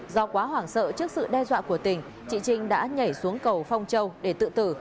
do quá hoảng sợ trước sự đe dọa của tình chị trinh đã nhảy xuống cầu phong châu để tự tử